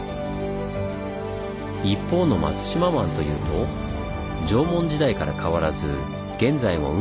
一方の松島湾というと縄文時代から変わらず現在も海のまま。